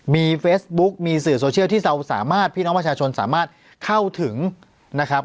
มีเฟซบุ๊กมีสื่อโซเชียลที่เราสามารถพี่น้องประชาชนสามารถเข้าถึงนะครับ